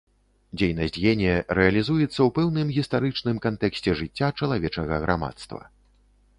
Дзейнасць генія рэалізуецца ў пэўным гістарычным кантэксце жыцця чалавечага грамадства.